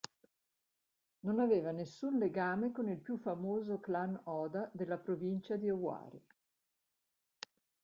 Non aveva nessun legame con il più famoso clan Oda della provincia di Owari.